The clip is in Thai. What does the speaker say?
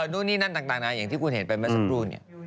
นู่นนี่นั่นต่างนะอย่างที่คุณเห็นไปเมื่อสักครู่เนี่ย